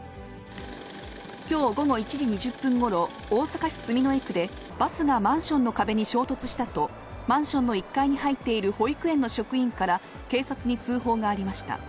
きょう午後１時２０分ごろ、大阪市住之江区で、バスがマンションの壁に衝突したと、マンションの１階に入っている保育園の職員から警察に通報がありました。